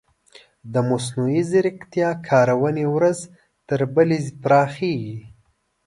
د مصنوعي ځیرکتیا کارونې ورځ تر بلې پراخیږي.